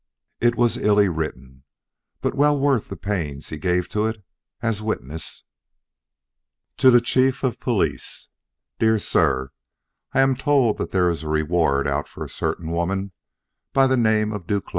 It was illy written, but well worth the pains he gave to it as witness: To the Chief of Police: Dear Sir: I am told that there is a reward out for a certain woman by the name of Duclos.